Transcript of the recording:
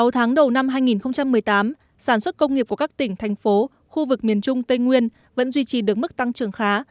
sáu tháng đầu năm hai nghìn một mươi tám sản xuất công nghiệp của các tỉnh thành phố khu vực miền trung tây nguyên vẫn duy trì được mức tăng trưởng khá